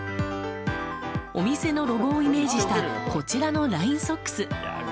お店のロゴをイメージしたこちらのラインソックス。